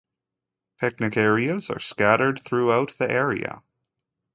Picnic areas are scattered throughout the area.